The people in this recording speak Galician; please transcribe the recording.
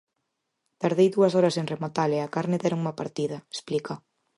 Tardei dúas horas en rematala e a carne déronma partida, explica.